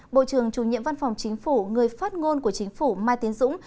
bộ trưởng chủ nhiệm văn phòng chính phủ người phát ngôn của chính phủ mai tiến dũng